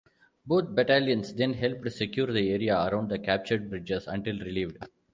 Both battalions then helped secure the area around the captured bridges until relieved.